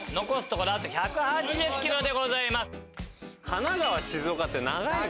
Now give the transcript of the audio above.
神奈川−静岡って長い。